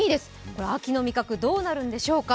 これ、秋の味覚どうなるんでしょうか。